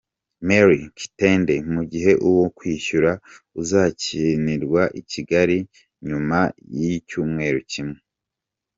Mary’s Kitende, mu gihe uwo kwishyura uzakinirwa i Kigali nyuma y’icyumweru kimwe.